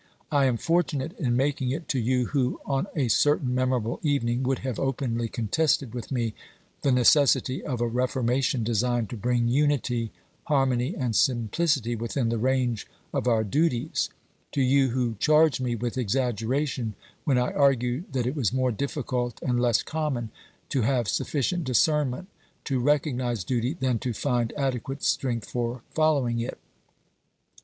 I am fortunate in making it to you who, on a certain memorable evening, would have openly contested with me the necessity of a reformation designed to bring unity, harmony and simplicity within the range of our duties ; to you who charged me with exaggeration when I argued that it was more difficult and less common to have sufficient discernment to recognise duty than to find adequate strength for following it.